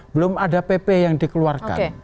belum ada pp yang dikeluarkan